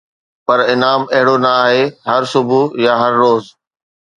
پر انعام اهڙو نه آهي هر صبح يا هر روز